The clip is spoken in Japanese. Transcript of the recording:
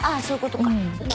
そういうことか。